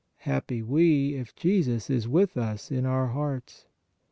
Happy we, if Jesus is with us in our hearts.